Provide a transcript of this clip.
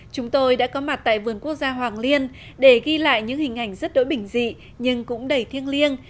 chúng tôi đã có mặt tại vườn quốc gia hoàng liên để ghi lại những hình ảnh rất đỗi bình dị nhưng cũng đầy thiêng liêng